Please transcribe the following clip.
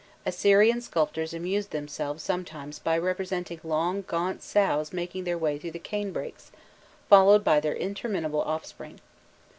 Assyrian sculptors amused themselves sometimes by representing long gaunt sows making their way through the cane brakes, followed by their interminable offspring.